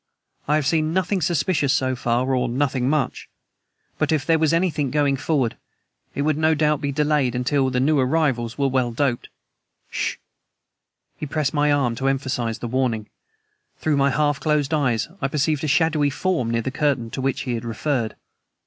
I have seen nothing suspicious so far or nothing much. But if there was anything going forward it would no doubt be delayed until we new arrivals were well doped. S SH!" He pressed my arm to emphasize the warning. Through my half closed eyes I perceived a shadowy form near the curtain to which he had referred.